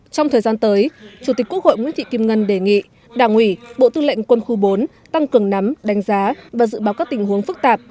trong thời gian tới chủ tịch quốc hội nguyễn thị kim ngân đề nghị đảng ủy bộ tư lệnh quân khu bốn tăng cường nắm đánh giá và dự báo các tình huống phức tạp